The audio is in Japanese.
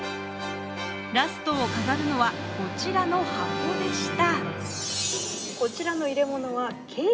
ラストを飾るのは、こちらの箱でした。